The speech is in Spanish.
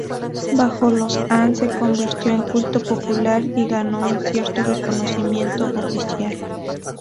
Bajo los Han se convirtió en culto popular y ganó un cierto reconocimiento oficial.